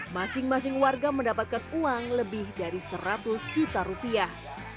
masing masing warga mendapatkan uang lebih dari seratus juta rupiah